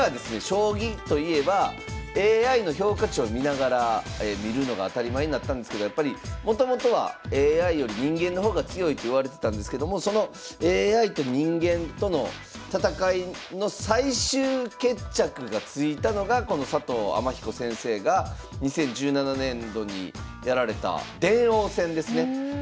将棋といえばＡＩの評価値を見ながら見るのが当たり前になったんですけどもともとはＡＩより人間の方が強いっていわれてたんですけどもそのＡＩと人間との戦いの最終決着がついたのがこの佐藤天彦先生が２０１７年度にやられた電王戦ですね。